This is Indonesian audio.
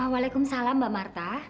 waalaikumsalam mbak marta